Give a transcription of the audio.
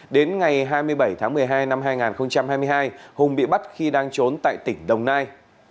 đến ngày hai mươi bảy tháng một mươi hai năm hai nghìn hai mươi hai hùng bị bắt khi đang trốn tại tỉnh đồng nai